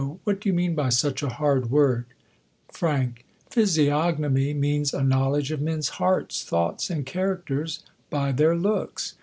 What do you mean by such a hard word ? jPr. Pliysiognomy means a knowledge of men's hearts, thoughts, and characters, by their looks.